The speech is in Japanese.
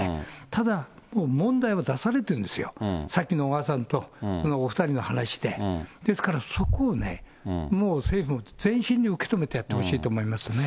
ただ問題は出されてるんですよ、さっきの小川さんと、お２人の話で、ですから、そこをね、もう政府は全身で受け止めてやってほしいと思いますね。